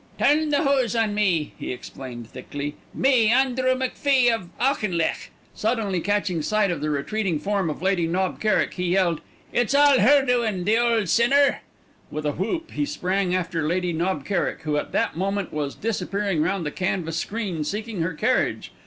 "Turned the hose on me," he explained thickly. "Me, Andrew McFie of Auchinlech." Suddenly catching sight of the retreating form of Lady Knob Kerrick, he yelled, "It's all her doin', the old sinner." With a whoop he sprang after Lady Knob Kerrick, who at that moment was disappearing round the canvas screen seeking her carriage.